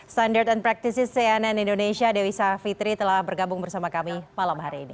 standard and practices cnn indonesia dewi savitri telah bergabung bersama kami malam hari ini